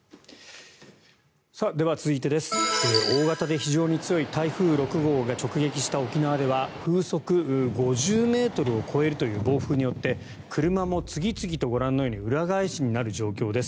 では、続いて大型で非常に強い台風６号が直撃した沖縄では風速５０ｍを超えるという暴風によって車も次々と、ご覧のように裏返しになる状況です。